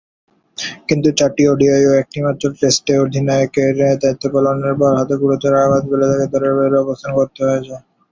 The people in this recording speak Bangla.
কিন্তু চারটি ওডিআই ও একটিমাত্র টেস্টে অধিনায়কের দায়িত্ব পালনের পর হাতে গুরুতর আঘাত পেলে তাকে দলের বাইরে অবস্থান করতে হয়েছে।